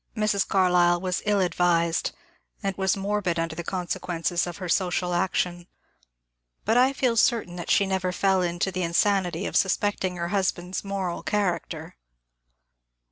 Mrs. Carlyle was ill ad vised, and was morbid under the consequences of her social MY LOVE FOR FROUDE 217 action, but I feel certain that she never fell into the insanity of suspecting her husband's moral character.